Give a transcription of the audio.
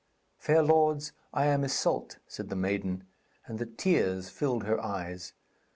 'Fair lords, I am Issyllt,' said the maiden, and the tears filled her eyes.